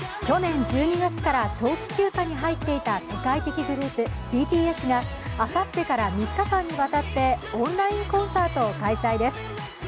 去年１２月から長期休暇に入っていた世界的グループＢＴＳがあさってから、３日間にわたってオンラインコンサートを開催です。